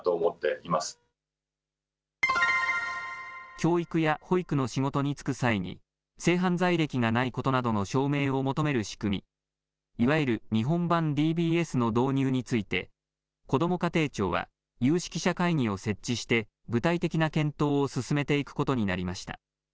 教育や保育の仕事に就く際に、性犯罪歴がないことなどの証明を求める仕組み、いわゆる日本版ＤＢＳの導入について、こども家庭庁は有識者会議を設置して具体的な検討を進めていくことになりました。